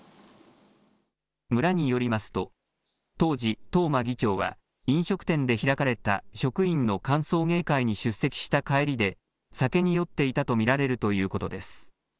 村によりますと、当時、東間議長は飲食店で開かれた職員の歓送迎会に出席した帰りで、酒に酔っていたと見られるということです。